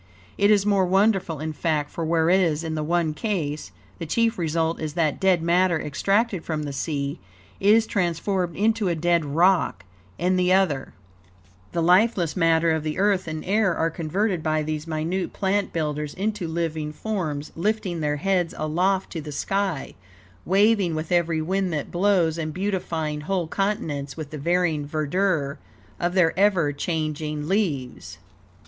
It is more wonderful, in fact; for whereas, in the one case, the chief result is that, dead matter extracted from the sea is transformed into a dead rock; in the other, the lifeless matter of the earth and air are converted by these minute plant builders into living forms, lifting their heads aloft to the sky, waving with every wind that blows, and beautifying whole continents with the varying verdure of their ever changing leaves."